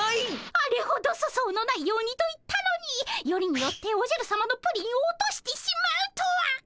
あれほど粗相のないようにと言ったのによりによっておじゃるさまのプリンを落としてしまうとは！